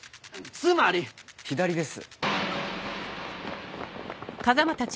つまり⁉左です。